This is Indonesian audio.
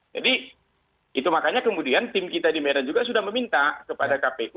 itu makanya kemudian tim kita di medan juga sudah meminta kepada kpu